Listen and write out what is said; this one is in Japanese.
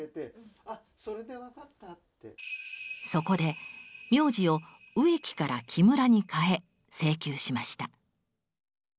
そこで名字を植木から木村に変え請求しました。